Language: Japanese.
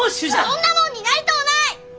そんなもんになりとうない！